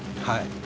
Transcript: はい。